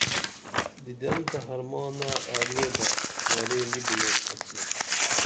دِدن تہ حرمانہ آگینبہ ورے نی بِنیس عصمت